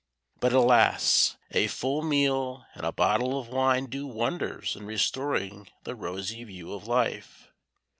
But, alas! a full meal and a bottle of wine do wonders in restoring the rosy view of life.